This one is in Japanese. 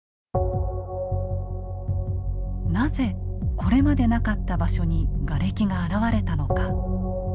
なぜこれまでなかった場所にガレキが現れたのか。